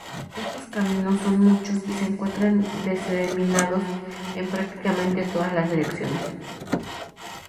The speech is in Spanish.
Estos caminos son muchos y se encuentran diseminados en prácticamente todas las direcciones.